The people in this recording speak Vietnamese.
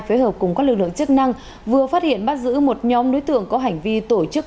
phối hợp cùng các lực lượng chức năng vừa phát hiện bắt giữ một nhóm đối tượng có hành vi tổ chức